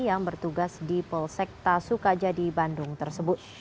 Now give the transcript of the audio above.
yang bertugas di polsek tasukaja di bandung tersebut